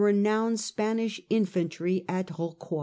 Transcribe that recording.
l9t renowned Spanish infantry at Rocroy.